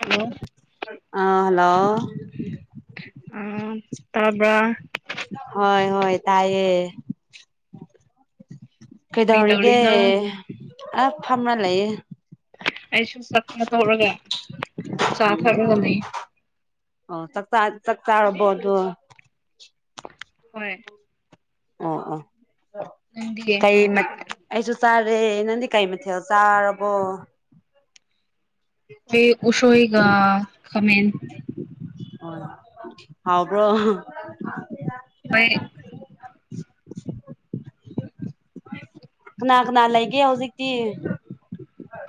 hello ꯑꯥ hello ꯇꯥꯕ ꯍꯣꯏ ꯍꯣꯏ ꯇꯥꯏꯌꯦ ꯀꯔꯤ ꯀꯩꯗꯧꯔꯤꯒꯦ ꯇꯧꯔꯤꯅꯣ ꯑꯞ ꯐꯝꯅ ꯂꯩꯌꯦ ꯑꯩꯁꯨ ꯆꯥꯛ ꯆꯥꯊꯣꯛꯔꯒ ꯆꯥ ꯊꯛꯂꯒꯅꯤ ꯑꯣ ꯆꯥꯛꯇꯥꯥꯔꯕꯣ ꯑꯗꯨ ꯍꯣꯏ ꯑꯣ ꯑꯣ ꯅꯪꯗꯤ ꯀꯩ ꯃ ꯑꯩꯁꯨ ꯆꯥꯔꯦ ꯅꯪꯗꯤ ꯀꯥꯏ ꯃ ꯊꯦꯜ ꯆꯥꯔꯔꯕꯣ ꯑꯩꯣꯏ ꯎꯁꯣꯏꯒ ꯈꯃꯦꯟ ꯍ ꯍꯥꯎꯕ꯭ꯔꯣ ꯍꯣꯏ ꯀꯅꯥ ꯀꯅꯥ ꯂꯩꯒꯦ ꯍꯧꯖꯤꯛꯇꯤ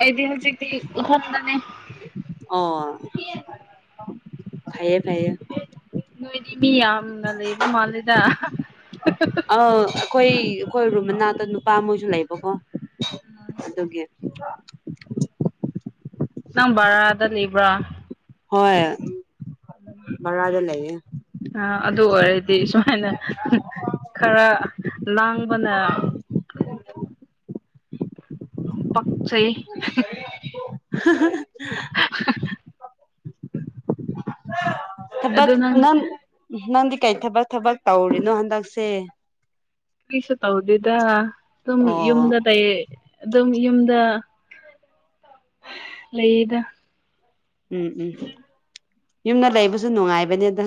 ꯏꯇꯤꯍꯁꯤꯛꯗꯤ ꯍꯣꯗꯅꯦ ꯑꯣ ꯐꯌꯦ ꯐꯌꯦ ꯅꯣꯏꯗꯤ ꯃꯤ ꯌꯥꯝꯅ ꯂꯩꯕ ꯃꯥꯜꯂꯦꯗ ꯑꯧ ꯑꯩꯈꯣꯏ ꯑꯩꯈꯣꯏ ꯔꯨꯝ ꯃꯅꯥꯗ ꯅꯨꯄꯥ ꯃꯣꯏꯁꯨ ꯂꯩꯕꯀꯣ ꯎ [unintelligible] ꯅꯪ ꯕꯔꯥꯗ ꯂꯩꯕ꯭ꯔꯥ ꯍꯣꯏ ꯃꯔꯔꯔꯗ ꯂꯩ ꯑ ꯑꯗꯨ ꯑꯣꯏꯔꯗꯤ ꯁꯨꯃꯥꯏꯅ ꯈꯔ ꯂꯥꯡꯕꯅ ꯄꯆꯩ [unintelligible] [unintelligible] [inaudible] ꯑꯗꯨ ꯊꯕꯛ ꯅꯪꯗꯤ ꯅꯪ ꯅꯪꯗꯤ ꯀꯩ ꯊꯕꯛ ꯊꯕꯛ ꯇꯧꯔꯤꯅꯣ ꯍꯟꯗꯛꯁꯦ ꯀꯁ ꯇ ꯍꯧꯗꯗ ꯁꯝ ꯑꯣ ꯌꯝꯗ ꯇ ꯑꯗꯨꯝ ꯌꯨꯝꯗ ꯂꯩꯗ ꯎꯝ ꯎꯝ ꯌꯨꯝꯗ ꯂꯩꯕꯁꯨ ꯅꯨꯡꯉꯥꯏꯕꯅꯦꯗ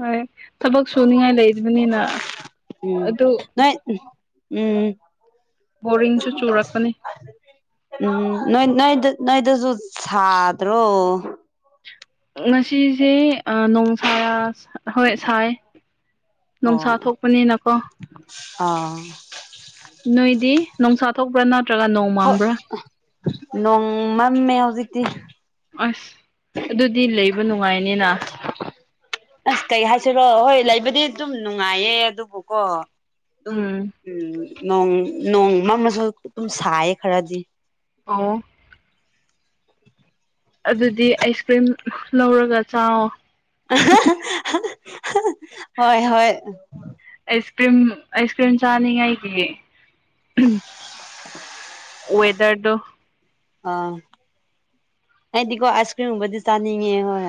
ꯍꯣꯏ ꯊꯕꯛ ꯁꯨꯅꯤꯡꯉꯥꯏ ꯂꯩꯕꯅꯤꯅ ꯎꯝ ꯑꯗꯨ ꯅꯣꯏ ꯎꯝ ꯕꯣꯔꯤꯡꯁꯨ ꯆꯨꯔꯛꯄꯅꯤ ꯎꯝ ꯅꯣꯏ ꯅꯣꯏꯗ ꯅꯣꯏꯗꯁꯨ ꯁꯥꯗ꯭ꯔꯣ ꯉꯁꯤꯁꯦ ꯅꯣꯡꯁꯥꯔ ꯍꯣꯏ ꯁꯥꯏ ꯅꯨꯡꯁꯥ ꯑꯣ ꯊꯣꯛꯄꯅꯤꯅꯀꯣ [unintelligible] ꯅꯣꯏꯗꯤ ꯣꯡꯁꯥ ꯊꯣꯛꯄ꯭ꯔꯥ ꯅꯠꯇ꯭ꯔꯒ ꯅꯣꯡ ꯃꯝꯕ꯭ꯔꯥ ꯝꯃꯦ ꯍꯧꯖꯤꯛꯇꯤ ꯑꯁ ꯑꯗꯨꯗꯤ ꯂꯩꯕ ꯅꯨꯡꯉꯥꯏꯅꯤꯅ ꯍ ꯍꯣꯏ ꯂꯩꯕꯗꯤ ꯑꯗꯨꯝ ꯅꯨꯡꯉꯥꯏꯌꯦ ꯑꯗꯨꯕꯨꯀꯣ ꯑꯗꯨꯝ ꯎꯝ ꯅꯣꯡ ꯅꯣꯡꯃ ꯑꯃꯁꯁꯨ ꯑꯗꯨꯝ ꯁꯥꯏꯌꯦ ꯈꯔꯗꯤ ꯑ [unintelligible] ꯑꯗꯨꯗꯤ ꯑꯥꯏꯁ ꯀ꯭ꯔꯤꯝ ꯂꯧꯔꯒ ꯆꯥꯛꯑꯣꯣ ꯍꯣꯏ ꯍꯣꯏ ꯑꯁ ꯀ꯭ꯔꯤꯝ ꯑꯥꯏꯁ ꯀ꯭ꯔꯤꯝ ꯆꯥꯅꯤꯡꯉꯥꯏꯒꯤ ꯋꯦꯗꯔꯗ ꯑꯥ ꯍꯗꯤꯀꯣ ꯑꯥꯏꯁ ꯀ꯭ꯔꯤꯝꯒꯨꯝꯕꯗꯤ ꯆꯥꯅꯤꯡꯉꯦ ꯍꯣꯏ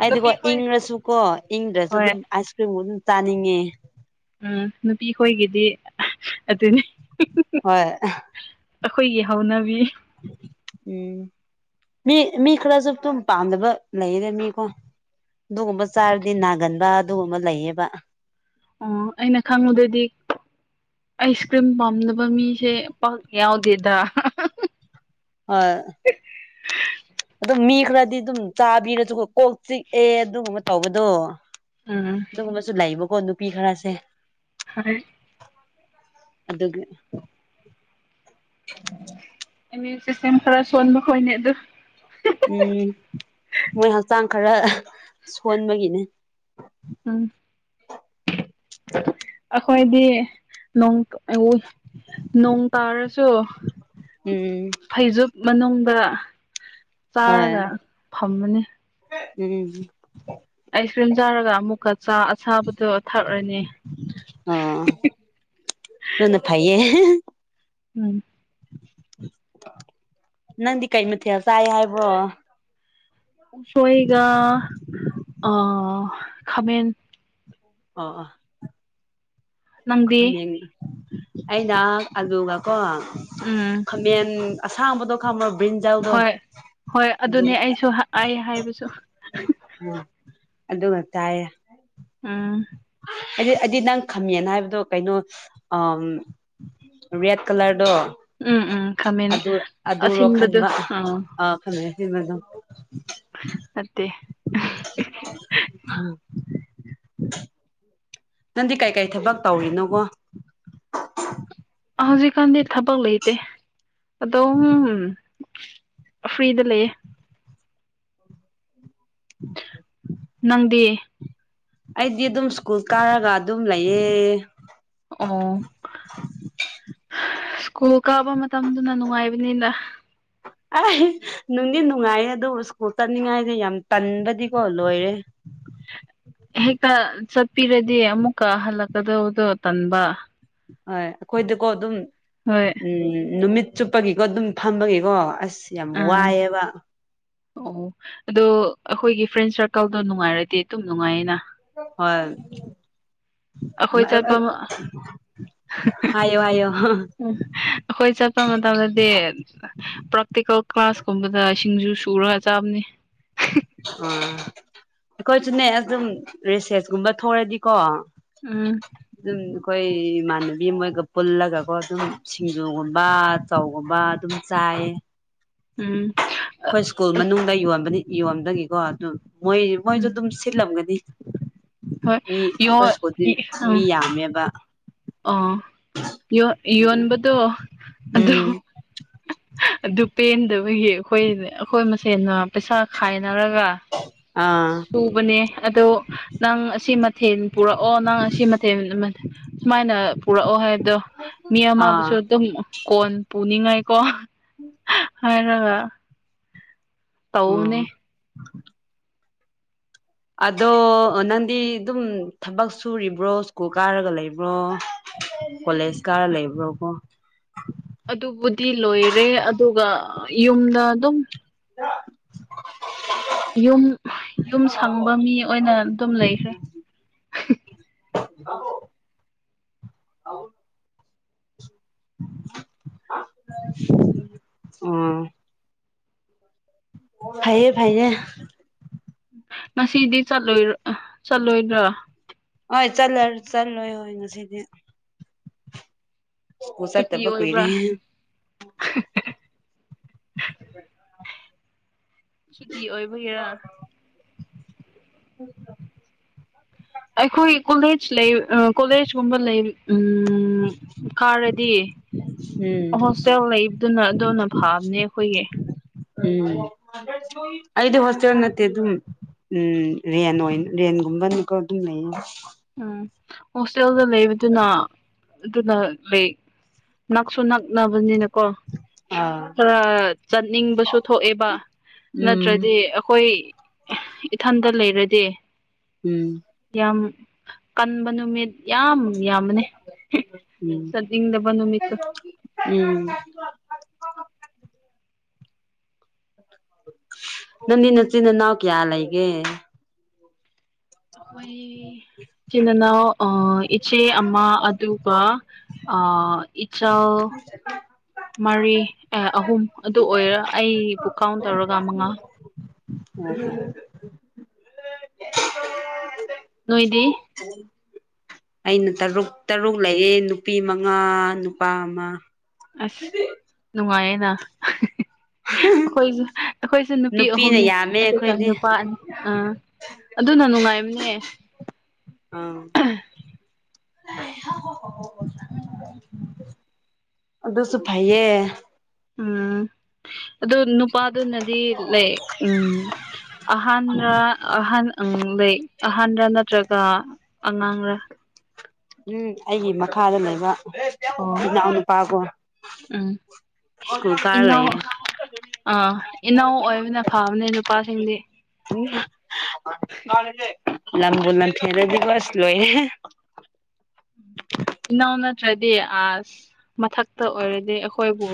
ꯍꯥꯏꯗꯤꯀꯣ ꯅꯨꯄꯤꯈꯣꯏ ꯏꯪꯉꯁꯨꯀꯣ ꯏꯪꯗ꯭ꯔꯁꯨ ꯍꯣꯏ ꯑꯗꯨꯝ ꯑꯥꯏꯁ ꯀ꯭ꯔꯤꯝꯒ ꯑꯗꯨꯝ ꯆꯥꯅꯤꯡꯉꯦ ꯎꯝ ꯅꯨꯄꯤ ꯈꯣꯏꯒꯤꯗꯤ ꯑꯗꯨꯅꯤ ꯍꯣꯏ ꯑꯩꯈꯣꯏꯒꯤ ꯍꯧꯅꯕꯤ ꯎꯝ ꯃꯤ ꯃꯤ ꯈꯔꯁꯨ ꯑꯗꯨꯨꯝ ꯄꯥꯝꯗꯕ ꯂꯩꯔꯦ ꯃꯤꯀꯣ ꯑꯗꯨꯒꯨꯝꯕ ꯆꯥꯔꯗꯤ ꯅꯥꯒꯟꯕ ꯑꯗꯨꯒꯨꯝꯕ ꯂꯩꯌꯦꯕ ꯑꯣ ꯑꯩꯅ ꯈꯪꯉꯨꯗꯗꯤ ꯑꯥꯏꯁ ꯀ꯭ꯔꯤꯝ ꯄꯥꯝꯗꯅꯕ ꯃꯤꯁꯦ ꯄꯥꯛ ꯌꯥꯎꯗꯦꯗ ꯍꯣꯏ ꯑꯗꯨ ꯃꯤ ꯈꯔꯗꯤ ꯑꯗꯨꯝ ꯆꯥꯕꯤꯔꯁꯨ ꯀꯣꯛ ꯆꯤꯛꯑꯦ ꯑꯗꯨꯒꯨꯝꯕ ꯇꯧꯕꯗꯣ ꯎꯝ ꯑꯗꯨꯒꯨꯝꯕꯁꯨ ꯂꯩꯕꯀꯣ ꯅꯨꯄꯤ ꯈꯔꯁꯦ ꯍꯣꯏ ꯑꯗꯨꯒ ꯑ ꯁꯤꯦꯝ ꯈꯔ ꯁꯣꯟꯕ ꯈꯣꯏꯅꯦ ꯑꯗꯨ ꯎꯝ ꯃꯣꯏ ꯍꯛꯆꯥꯡ ꯈꯔ ꯁꯣꯟꯕꯒꯤꯅꯦ ꯑꯝ ꯑꯩꯈꯣꯏꯗꯤ ꯅꯣꯡ ꯑꯩ ꯅꯣꯡ ꯇꯥꯔꯁꯨ ꯎꯝ ꯐꯩꯖꯨꯞ ꯃꯅꯨꯡ ꯈ ꯍꯣꯏ ꯆꯥꯔꯒ ꯐꯝꯃꯅꯤ ꯎꯝ ꯑꯥꯏꯁ ꯀ꯭ꯔꯤꯝ ꯆꯥꯔꯒ ꯑꯃꯨꯛꯀ ꯆꯥ ꯑꯁꯥꯕꯗꯣ ꯊꯛꯔꯅꯤ ꯑ ꯇꯅ ꯐꯥꯏꯌꯦ ꯎꯝ ꯅꯪꯗꯤ ꯀꯩ ꯃ ꯊꯦ ꯆꯥꯏ ꯍꯥꯏꯕꯣ ꯎ ꯁꯣ ꯑꯩꯒ ꯑ ꯈꯥꯃꯦꯟ ꯑ ꯑꯥ ꯅꯗꯤ ꯑꯩꯅ ꯑꯂꯨꯒ ꯀꯣ ꯎꯝ ꯈꯥꯃꯦꯟ ꯑꯁꯥꯡꯕꯗꯣ ꯈꯥꯃꯕ ꯕꯤꯟꯖꯥꯎꯗꯣ ꯍꯣꯏ ꯍꯣꯏ ꯑꯗꯨꯅꯦ ꯑꯩꯁꯨ ꯑꯩ ꯍꯥꯏꯕꯁꯨ ꯑꯗꯨꯗ ꯃ ꯆꯑ ꯑꯥ ꯍꯥꯏꯗꯤ ꯑꯩꯗꯤ ꯅꯪ ꯈꯝꯃꯦꯅ ꯍꯥꯏꯕꯗꯣ ꯀꯩꯅꯣ ꯑ ꯔꯦꯠ ꯀꯂꯔꯗꯣ ꯎꯝ ꯎꯝ ꯈꯥꯃꯦꯟ ꯑꯗꯨ ꯑꯗꯨꯔꯣ ꯑꯁꯤꯟꯕꯗꯨ ꯈꯟꯕ ꯑ ꯈꯟꯃꯦꯦ ꯁꯤ ꯑꯗꯨꯝ ꯑꯠꯇꯦ ꯎꯝ ꯅꯪꯗꯤ ꯀꯩꯀꯩ ꯊꯕꯛ ꯇꯧꯔꯤꯅꯣꯒꯣ ꯍꯧꯖꯤꯛꯀꯥꯟꯗꯤ ꯊꯕꯛ ꯂꯩꯇꯦ ꯑꯗꯣ ꯐ꯭ꯔꯤꯗ ꯂꯩꯌꯦꯦ ꯎꯝ ꯅꯪꯗꯤ ꯑꯩꯗꯤ ꯑꯗꯨꯝ ꯁ꯭ꯀꯨꯜ ꯀꯥꯔꯒ ꯑꯗꯨꯝ ꯂꯩꯌꯦ ꯑꯣ ꯁ꯭ꯀꯨꯜ ꯀꯥꯕ ꯃꯇꯝꯗꯨꯅ ꯅꯨꯡꯉꯥꯏꯕ ꯅꯤꯗ ꯑꯩ ꯅꯨꯡꯗꯤ ꯅꯨꯡꯉꯥꯏꯌꯦ ꯑꯗꯨ ꯁ꯭ꯀꯨꯜ ꯇꯅꯤꯡꯉꯥꯏꯁꯦ ꯌꯥꯝ ꯇꯟꯕꯗꯤꯀꯣ ꯂꯣꯏꯔꯦ ꯍꯦꯛꯇ ꯆꯠꯄꯤꯔꯗꯤ ꯑꯃꯨꯛꯀ ꯍꯜꯂꯛꯀꯗꯕꯗꯣ ꯇꯟꯕ ꯍꯣꯏ ꯑꯩꯈꯣꯏꯗꯀꯣ ꯑꯗꯨꯝ ꯍꯣꯏ ꯎꯝ ꯅꯨꯃꯤꯠ ꯆꯨꯞꯄꯒꯤꯀꯣ ꯑꯗꯨꯝ ꯐꯝꯕꯒꯤꯀꯣ ꯑꯁ ꯌꯥꯝ ꯑꯥ ꯋꯥꯏꯑꯦꯕ ꯑꯣ ꯑꯗꯣ ꯑꯩꯈꯣꯏꯒꯤ ꯐ꯭ꯔꯦꯟ ꯁꯔꯀꯜꯗꯣ ꯅꯨꯡꯉꯥꯏꯔꯗꯤ ꯑꯗꯨꯝ ꯅꯨꯡꯉꯥꯏꯌꯦꯅ ꯍꯣꯏ ꯑꯩꯈꯣꯏ ꯆꯠꯄ ꯎꯝ ꯍꯥꯏꯌꯣ ꯍꯥꯏꯌꯣ ꯑꯩꯈꯣꯏ ꯆꯠꯄ ꯃꯇꯝꯗꯗꯤ ꯄ꯭ꯔꯥꯛꯇꯤꯀꯦꯜ ꯀ꯭ꯂꯥꯁꯀꯨꯝꯕꯗ ꯁꯤꯡꯁꯨ ꯁꯨꯔꯒ ꯆꯥꯕꯅꯤ ꯑꯣ ꯑꯩꯈꯣꯏꯁꯨꯅꯦ ꯑꯗꯨꯝ ꯔꯤꯁꯦꯁꯀꯨꯝꯕ ꯊꯣꯛꯑꯗꯤꯀꯣ ꯎꯝ ꯑꯩꯈꯣꯏ ꯏꯃꯥꯟꯅꯕꯤ ꯃꯣꯏꯒ ꯄꯨꯜꯂꯒꯀꯣ ꯑꯗꯨꯝ ꯁꯤꯡꯖꯨꯒꯨꯝꯕ ꯆꯧꯒꯨꯝꯕ ꯑꯗꯨꯝ ꯆꯥꯏ ꯍꯥꯏꯌꯦ ꯎꯝ ꯑꯩꯈꯣꯏ ꯁ꯭ꯀꯨꯜ ꯃꯅꯨꯡꯗ ꯌꯣꯟꯕꯅꯤ ꯌꯣꯟꯕꯗꯒꯤꯀꯣ ꯑꯗꯨꯝ ꯃꯣꯏ ꯃꯣꯏꯁꯨ ꯎꯝ ꯑꯗꯨꯝ ꯁꯤꯠꯂꯝꯒꯅꯤ ꯍꯣꯏ ꯃꯤ ꯌꯣ ꯑꯩꯈꯣꯏ ꯁ꯭ꯀꯨꯜꯗꯤ ꯃꯤ ꯌꯥꯝꯃꯦꯕ ꯑꯣ ꯌ ꯑꯗꯨꯒ ꯌꯣꯟꯕꯗꯣ ꯎꯝ ꯑꯣ ꯑꯗꯨ ꯄꯦꯟꯗꯕꯒꯤ ꯑꯩꯈꯣꯏ ꯑꯩꯈꯣꯏ ꯃꯁꯦꯟꯅ ꯄꯩꯁꯥ ꯈꯥꯏꯅꯔꯒ ꯑꯥ ꯆꯨꯕꯅꯦ ꯑꯗꯣ ꯅꯪ ꯑꯁꯤ ꯃꯊꯦꯜ ꯄꯨꯔꯛꯑꯣ ꯅꯪ ꯑꯁꯤ ꯃꯊꯦꯜ ꯁꯨꯃꯥꯏꯅ ꯄꯨꯔꯛꯑꯣ ꯍꯥꯏꯕꯗꯣ ꯃꯤ ꯑꯥ ꯑꯃꯕꯨꯁꯨ ꯑꯗꯨꯝ ꯀꯣꯟ ꯄꯨꯅꯤꯡꯉꯥꯏ ꯀ ꯍꯔ ꯇꯧꯅꯦ ꯎꯝ ꯑꯗꯣ ꯅꯪꯗꯤ ꯑꯗꯨꯝ ꯊꯕꯛ ꯁꯨꯔꯤꯕ꯭ꯔꯣ ꯁ꯭ꯀꯨꯜ ꯀꯥꯔꯒ ꯂꯩꯕ꯭ꯔꯣ ꯀꯣꯂꯦꯖ ꯀꯥꯔ ꯂꯩꯕ꯭ꯔꯣꯀꯣ ꯑꯗꯨꯕꯨꯗꯤ ꯂꯣꯏꯔꯦ ꯑꯗꯨꯒ ꯌꯨꯝꯗ ꯑꯗꯨꯝ [inaudible] ꯌꯨꯝ ꯌꯨꯝ ꯁꯪꯕ ꯃꯤ ꯑꯣꯏꯅ ꯑꯗꯨꯝ ꯂꯩꯈ꯭ꯔꯦ ꯍꯂꯣ ꯎꯝ ꯐꯌꯦ ꯐꯥꯏꯌꯦꯅꯦ ꯉꯁꯤꯗꯤ ꯆꯠꯂꯣꯏ ꯆꯠꯂꯣꯏꯗ꯭ꯔꯥ ꯍꯣꯏ ꯆꯂ ꯆꯠꯂꯣꯏ ꯍ ꯉ ꯁꯤꯗꯤ ꯁꯥ ꯁꯨꯇꯤ ꯇꯕꯛ ꯑꯣꯏꯕ꯭ꯔꯥ ꯑꯣꯏꯏꯔꯦ ꯍ [inaudible] ꯁꯨꯇꯤ ꯑꯣꯏꯕꯒꯔ ꯎꯝ ꯑꯩꯈꯣꯏ ꯀꯣꯂꯦꯖ ꯂꯩ ꯀꯣꯂꯦꯖ ꯀꯨꯝꯕ ꯂꯩꯔꯤ ꯎꯝ ꯀꯥꯔꯗꯤ ꯎꯝ ꯍꯣꯁꯇꯦꯜ ꯂꯩꯕꯗꯨꯅ ꯑꯗꯨꯅ ꯐꯕꯅꯦ ꯑꯩꯈꯣꯏꯒꯤ ꯎꯝ ꯑꯩꯗꯤ ꯍꯁꯅꯠꯇꯦ ꯑꯗꯨ ꯎꯝ ꯔꯦꯟ ꯔꯦꯟꯒꯨꯝꯕꯅꯀꯣ ꯑꯗꯨꯝ ꯂꯩꯌꯦ ꯎꯝ ꯍꯣꯁꯇꯦꯜꯗ ꯂꯩꯕꯗꯨꯅ ꯑꯗꯨꯅ ꯂꯩ ꯅꯛꯁꯨ ꯅꯛ ꯆꯛꯅꯕꯅꯤꯅꯀꯣ ꯑꯥ ꯈꯔ ꯆꯠꯅꯤꯡꯕꯁꯨ ꯊꯣꯛꯑꯦꯕ ꯎꯝ ꯅꯠꯇ꯭ꯔꯗꯤ ꯑꯩꯈꯣꯏ ꯏꯊꯟꯇ ꯂꯩꯔꯗꯤ ꯎꯝ ꯌꯥꯝ ꯀꯟꯕ ꯅꯨꯃꯤꯠ ꯌꯥꯝ ꯌꯥꯝꯕꯅꯦ ꯎꯝ ꯆꯠꯅꯤꯡꯗꯕ ꯅꯨꯃꯤꯠꯇꯣ ꯎꯝ ꯅꯗꯤ ꯅꯆꯅꯅꯥꯎ ꯀꯌꯥ ꯂꯩ ꯑꯩꯒꯦ ꯑꯩꯈꯣꯏ ꯆꯤꯟꯅꯥꯎ ꯑ ꯏꯆꯦ ꯑꯃ ꯑꯗꯨꯒ ꯑ ꯆ ꯃꯔꯤ ꯑꯍꯨꯝ ꯑꯗꯨ ꯑꯣꯏꯔ ꯑꯩ ꯕꯨꯀꯥꯎ ꯇꯧꯔꯒ ꯃꯉꯥ ꯑ ꯅꯣꯏꯗꯤ ꯑꯩꯅ ꯇꯔꯨꯛ ꯇꯔꯨꯛ ꯂꯩꯌꯦ ꯅꯨꯄꯤ ꯃꯉꯥ ꯅꯨꯄꯥ ꯑꯃ [unintelligible] ꯅꯨꯡꯉꯥꯏꯗ ꯑꯩꯈꯣꯏꯁꯨ ꯑꯩꯈꯣꯏꯁꯨ ꯅꯨꯄꯤ ꯅꯨꯄꯤꯅ ꯑꯍꯨꯝꯅꯤ ꯌꯥꯝꯃꯦ ꯑꯗꯨꯒ ꯑꯩꯈꯣꯏꯗꯤ ꯅꯨꯄꯥ ꯑꯅꯤ ꯑ ꯑꯗꯨꯅ ꯅꯨꯡꯉꯥꯏꯕꯅꯦ ꯑꯝ ꯑꯗꯨꯁꯨ ꯐꯥꯏꯌꯦ ꯑꯝ ꯑꯗꯨ ꯅꯨꯄꯥꯗꯨꯅꯗꯤ ꯂ ꯎꯝ ꯑꯍꯥꯟꯕ ꯑꯍꯥꯟ ꯎꯝ ꯑꯩ ꯑꯍꯟꯔ ꯅꯠꯇ꯭ꯔꯒ ꯑꯉꯥꯡꯔ ꯎꯝ ꯑꯩꯒꯤ ꯃꯈꯥꯗ ꯂꯩꯕ ꯑꯣ ꯏꯅꯥꯎꯅꯨꯄꯥꯒꯨꯝ ꯎꯝ ꯁꯨ ꯀꯥꯔ ꯂꯩꯦ ꯏꯅꯥꯎ ꯑꯥ ꯏꯅꯥꯎ ꯑꯣꯏꯕꯅ ꯐꯕꯅꯦ ꯅꯨꯄꯥꯁꯤꯡꯗꯤ ꯀꯅꯁꯦ ꯂꯕꯨ ꯂꯥꯟ ꯊꯦꯔꯗꯤ ꯀ꯭ꯂꯥꯁ ꯂꯣꯏꯦ ꯏꯅꯥꯎ ꯅꯠꯇ꯭ꯔꯗꯤ ꯑꯁ ꯃꯊꯛꯇ ꯑꯣꯏꯔꯗꯤ ꯑꯩꯈꯣꯏꯕꯨ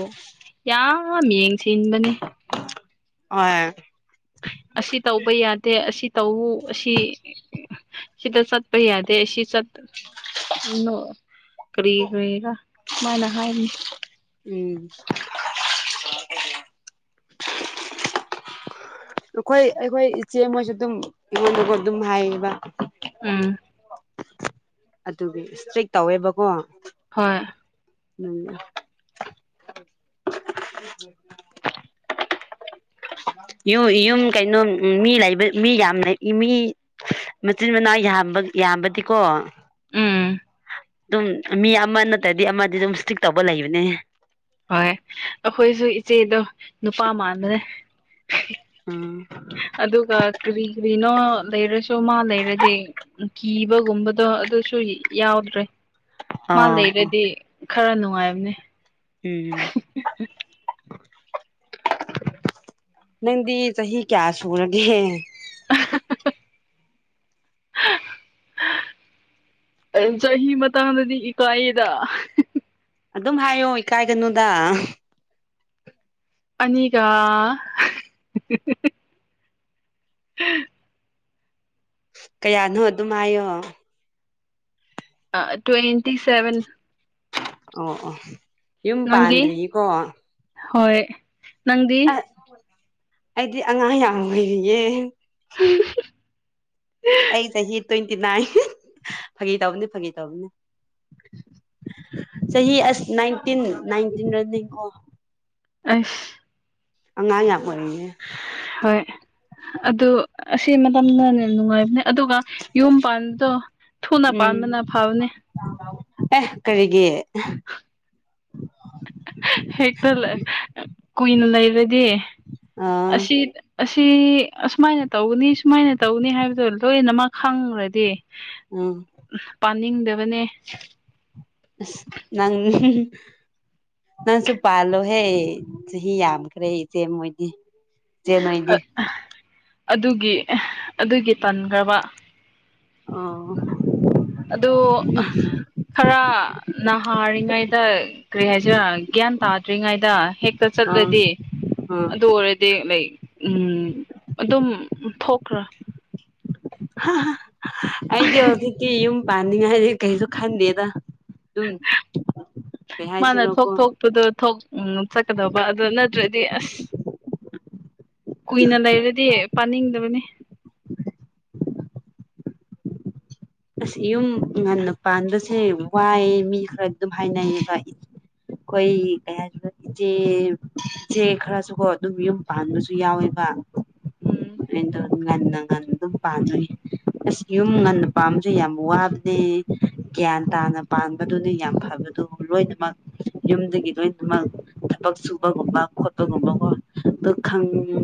ꯌꯥꯝ ꯑ ꯌꯦꯡꯁꯤ ꯏꯟꯕꯅꯦ ꯍ ꯑꯁꯤ ꯇꯧꯕ ꯌꯥꯗꯦ ꯑꯁꯤ ꯇꯧꯎ ꯑꯁꯤ ꯁꯤꯗ ꯆꯠ ꯩꯌꯥꯗꯁꯤ ꯁꯠ ꯀꯔꯤꯦꯒ ꯁꯨꯃꯥꯏꯅ ꯍꯥꯏꯅꯤ ꯎꯝ ꯑꯩꯈꯣꯏ ꯑꯩꯈꯣꯏ ꯏꯆꯦ ꯃꯣꯏꯁꯨ ꯑꯗꯨꯝ ꯑꯩꯉꯣꯟꯗꯀꯣ ꯑꯗꯨꯝ ꯍꯥꯏꯌꯦꯕ ꯑꯥ ꯑꯗꯨꯒꯤ ꯏꯁꯇ꯭ꯔꯤꯛ ꯇꯧꯋꯦꯕꯀꯣ ꯍꯣꯏ ꯎꯝ ꯌꯨꯝ ꯀꯩꯅꯣ ꯃꯤ ꯂꯩꯕ ꯃꯤ ꯌꯥꯝ ꯂꯩ ꯃꯤ ꯃꯆꯤꯟ ꯃꯅꯥꯎꯕ ꯌꯥꯝꯕꯗꯤꯀꯣ ꯎꯝ ꯑꯗꯨꯝ ꯃꯤ ꯑꯃ ꯅꯠꯇ꯭ꯔꯗꯤ ꯑꯃꯗꯤ ꯑꯗꯨꯝ ꯏꯁꯇꯤꯛ ꯇꯧꯕ ꯂꯩꯕꯅꯦ ꯍꯣꯏ ꯑꯩꯈꯣꯏꯁꯨ ꯏꯆꯦꯗꯣ ꯅꯨꯄꯥ ꯃꯗꯅꯦ ꯎꯝ ꯑꯗꯨꯒ ꯀꯔꯤ ꯀꯔꯤꯅꯣ ꯂꯩꯔꯁꯨ ꯃꯥ ꯂꯩꯔꯗꯤ ꯀꯤꯕꯒꯨꯝꯕꯗꯣ ꯑꯗꯨꯁꯨ ꯌꯥꯎꯗ꯭ꯔꯦ ꯃꯥ ꯑꯣ ꯑꯣ ꯂꯩꯔꯗꯤ ꯈꯔ ꯅꯨꯡꯉꯥꯏꯕꯅꯦ ꯎꯝ ꯅꯪꯗꯤ ꯆꯍꯤ ꯀꯌꯥ ꯁꯨꯔꯒꯦ [unintelligible] ꯆꯍꯤ ꯃꯇꯥꯡꯗꯗꯤ ꯏꯀꯥꯏꯌꯦꯗ ꯑꯗꯨꯝ ꯍꯥꯏꯌꯣ ꯏꯀꯥꯏꯒꯅꯨꯗ ꯑꯅꯤꯒꯥ ꯀꯌꯥꯅꯣ ꯑꯗꯨꯝ ꯍꯥꯏꯌꯣ ꯑ ꯇ꯭ꯋꯦꯟꯇꯤ ꯁꯦꯚꯦꯟ ꯑꯣ ꯑꯣ ꯌꯨꯝ ꯅꯪꯗꯤ ꯄꯥꯟꯗ꯭ꯔꯤꯌꯦꯀꯣ ꯍꯣꯏ ꯅꯪꯗꯤ ꯑꯩꯗꯤ ꯑꯉꯥꯡ ꯌꯥꯝ ꯑꯣꯏꯔꯤꯌꯦ ꯑꯩ ꯆꯍꯤ ꯇ꯭ꯋꯦꯟꯇꯤ ꯅꯥꯏꯟ ꯐꯥꯒꯤ ꯇꯧꯕꯅꯤ ꯐꯥꯒꯤ ꯇꯧꯕꯅꯤ ꯆꯍꯤ ꯑꯁ ꯅꯥꯏꯟꯇꯤꯟ ꯅꯥꯏꯟꯇꯤꯟ ꯔꯟꯅꯤꯀꯣ ꯑꯁ ꯑꯉꯥꯡ ꯌꯥ ꯍꯣꯏ ꯑꯗꯨ ꯑꯁꯤ ꯃꯇꯝꯅꯅꯦ ꯌꯥꯝ ꯅꯨꯡꯉꯥꯏꯕꯅꯦ ꯑꯗꯨꯒ ꯌꯨꯝ ꯄꯥꯟꯕꯗꯣ ꯊꯨꯅ ꯎꯝ ꯄꯥꯟꯕꯅ ꯐꯥꯎꯅꯦ ꯑꯦ ꯀꯔꯤꯒꯦ ꯍꯦꯛꯇ ꯀꯨꯏꯅ ꯂꯩꯔꯗꯤ ꯑ ꯑꯁꯤ ꯁꯤ ꯑꯁꯨꯃꯥꯏꯅ ꯇꯧꯅꯤ ꯁꯨꯃꯥꯏꯅ ꯇꯧꯅꯤ ꯍꯥꯏꯕꯗꯣ ꯂꯣꯏꯅꯃꯛ ꯈꯪꯈ꯭ꯔꯗꯤ ꯑ ꯆꯅꯤꯡꯗꯕꯅꯦ ꯅꯪ ꯅꯪꯁꯨ ꯄꯥꯜꯂꯣꯍꯦ ꯆꯍꯤ ꯌꯥꯝꯈ꯭ꯔꯦ ꯏꯆꯦ ꯃꯣꯏꯗꯤ ꯆꯅ ꯏꯗꯤ ꯑꯗꯨꯒꯤ ꯑꯗꯨꯒꯤ ꯇꯟꯈ꯭ꯔꯕ ꯑ ꯑꯗꯨ ꯈꯔ ꯅꯍꯥꯔꯤꯉꯩꯗ ꯀꯔꯤ ꯍꯥꯏꯁꯤꯔꯥ ꯒ꯭ꯌꯥꯟ ꯇꯥꯗ꯭ꯔꯤꯉꯩꯗ ꯍꯦꯛ ꯑꯥ ꯆꯠꯂꯗꯤ ꯑꯥ ꯑꯗꯨ ꯑꯣꯏꯔꯗꯤ ꯎꯝ ꯑꯗꯨꯝ ꯊꯣꯛꯈ꯭ꯔꯥ ꯑꯩꯗꯤ ꯍꯧꯖꯤꯤ ꯌꯨꯝ ꯄꯥꯟꯅꯤꯡꯉꯥꯏꯗꯤ ꯀꯩꯁꯨ ꯈꯟꯗꯦꯗ ꯑꯗꯨꯝ ꯀꯩ ꯃꯥꯅ ꯊꯣꯛ ꯍꯥꯏꯁꯤꯔꯣꯀꯣ ꯊꯣꯛꯄꯗꯣ ꯊꯣꯛ ꯆꯠꯀꯗꯧꯕ ꯑꯗꯨꯗꯣ ꯅꯠꯇ꯭ꯔꯗꯤ ꯑꯁ ꯀꯨꯏꯅ ꯂꯩꯔꯗꯤ ꯄꯥꯅꯤꯡꯗꯕꯅꯤ ꯑꯁ ꯌꯨꯝ ꯉꯟꯅ ꯄꯥꯟꯕꯁꯦ ꯋꯥꯏꯑ ꯃꯤ ꯈꯔ ꯑꯗꯨꯝ ꯍꯥꯏꯅꯩꯌꯦꯕ ꯑꯩꯈꯣꯏ ꯀꯩ ꯍꯥꯏ ꯏꯆꯦ ꯏꯆꯦ ꯈꯔꯁꯨꯀꯣ ꯑꯗꯨꯝ ꯌꯨꯝ ꯄꯥꯟꯕꯁꯨ ꯌꯥꯎꯋꯦꯕ ꯎꯝ ꯉꯟꯅ ꯉ ꯑꯗꯨꯝ ꯄꯥꯖꯅꯤꯁ ꯌꯨꯝ ꯉꯟꯅ ꯄꯥꯝꯁꯨ ꯌꯥꯝ ꯋꯥꯕꯅꯦ ꯒ꯭ꯌꯥꯟ ꯇꯥꯅ ꯄꯥꯟꯕꯗꯨꯅꯤ ꯌꯥꯝ ꯐꯕꯗꯣ ꯂꯣꯏꯅꯃꯛ ꯌꯨꯝꯗꯒꯤ ꯂꯣꯏꯃꯛ ꯊꯕꯛ ꯁꯨꯕꯒꯨꯝꯕ ꯈꯣꯠꯄꯒꯨꯝꯕꯀꯣ ꯑ